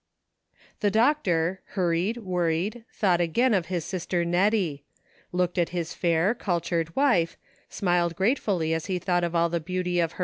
The doctor, hurried, worried, thought again of his sister Nettie ; looked at his fair, cultured wife, smiled gratefully as he thought of all the beauty of "very much improved.